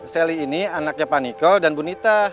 sally ini anaknya pak niko dan bu nita